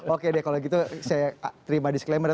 oke deh kalau gitu saya terima disclaimer